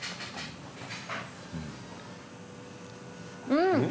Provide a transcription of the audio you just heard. うん！